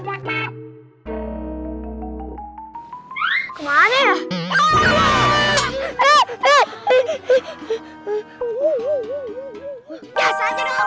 biasa aja dong